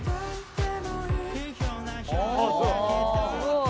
すごい。